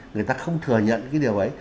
người ta không thừa nhận cái điều ấy